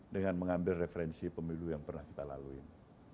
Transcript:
dengan mengambil referensi pemilu yang pernah kita lalui